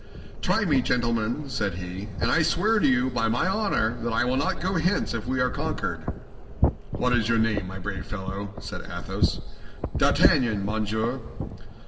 "Try me, gentlemen," said he, "and I swear to you by my honor that I will not go hence if we are conquered." "What is your name, my brave fellow?" said Athos. "D'Artagnan, monsieur."